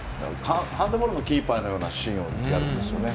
ハンドボールのキーパーのようなシーンをやるんですね。